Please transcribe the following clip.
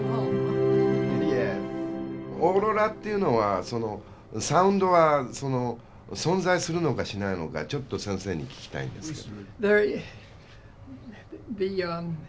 オーロラっていうのはそのサウンドは存在するのかしないのかちょっと先生に聞きたいんですけど。